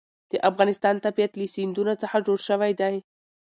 د افغانستان طبیعت له سیندونه څخه جوړ شوی دی.